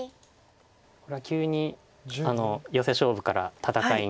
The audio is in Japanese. これは急にヨセ勝負から戦いに。